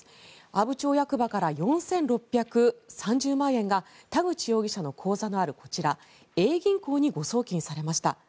阿武町役場から４６３０万円が田口容疑者の口座のある、こちらＡ銀行に誤送金されました。